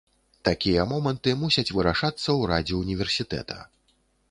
Такія моманты мусяць вырашацца ў радзе ўніверсітэта.